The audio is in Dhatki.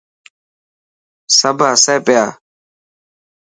سب هي پيا.